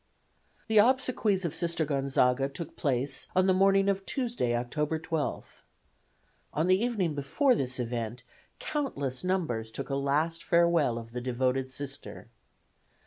The obsequies of Sister Gonzaga took place on the morning of Tuesday, October 12th. On the evening before this event countless numbers took a last farewell of the devoted Sister.